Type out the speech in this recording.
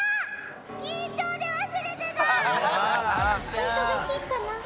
お忙しいかな？